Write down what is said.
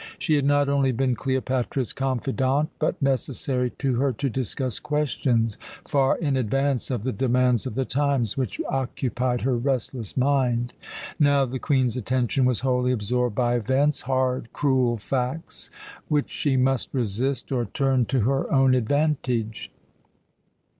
She had not only been Cleopatra's confidante, but necessary to her to discuss questions far in advance of the demands of the times, which occupied her restless mind. Now the Queen's attention was wholly absorbed by events hard, cruel facts which she must resist or turn to her own advantage.